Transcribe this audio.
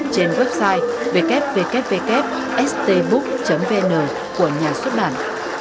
trên website www stbook vn của nhà xuất bản